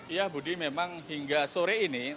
ya budi memang hingga sore ini